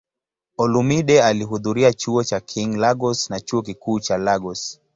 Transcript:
Olumide alihudhuria Chuo cha King, Lagos na Chuo Kikuu cha Lagos.